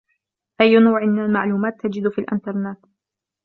أيَّ نوع من المعلومات تجد في الإنترنت ؟